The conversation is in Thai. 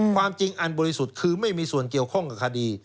ความจริงอันบริสุทธิ์คือไม่มีส่วนเกี่ยวข้องกับคดี